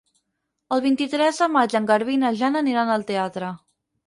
El vint-i-tres de maig en Garbí i na Jana aniran al teatre.